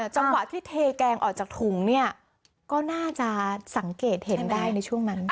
จังหวะที่เทแกงออกจากถุงเนี่ยก็น่าจะสังเกตเห็นได้ในช่วงนั้น